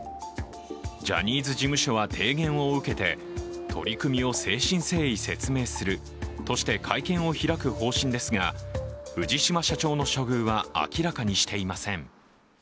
ジャニーズ事務所は提言を受けて取り組みを誠心誠意説明するとして会見を開く方針ですが藤島社長の処遇は明らかにしていません。